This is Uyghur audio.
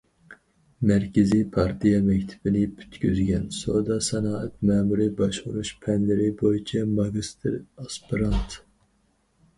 مەركىزىي پارتىيە مەكتىپىنى پۈتكۈزگەن، سودا- سانائەت مەمۇرىي باشقۇرۇش پەنلىرى بويىچە ماگىستىر ئاسپىرانت.